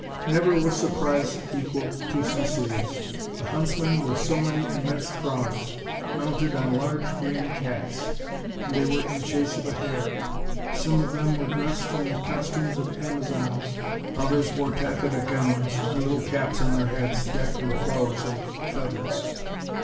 167 Never was surprise equal to Sincere's: the huntsmen were so many immense frogs, mounted on large green cats, and they were in chs.se of a hare. Some of them were dressed in the costumes of Amazons, others wore taffeta gowns, and little caps on their heads decked with flowers and feathers.